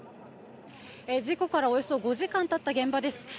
事故からおよそ５時間経った現場です。